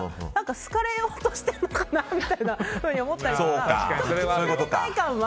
好かれようとしているのかなみたいなふうに思っちゃったり。